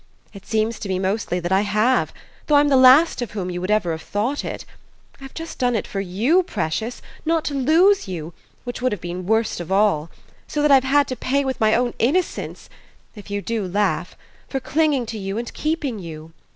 It seems to me mostly that I have, though I'm the last of whom you would ever have thought it. I've just done it for YOU, precious not to lose you, which would have been worst of all: so that I've had to pay with my own innocence, if you do laugh! for clinging to you and keeping you.